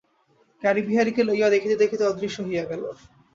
গাড়ি বিহারীকে লইয়া দেখিতে দেখিতে অদৃশ্য হইয়া গেল।